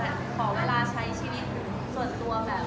ขอเวลาใช้ชีวิตส่วนตัวแบบ